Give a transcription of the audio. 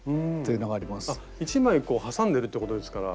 １枚挟んでるということですから。